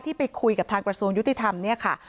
ไปคุยกับทางกระทรวงยุติธรรมเนี่ยค่ะ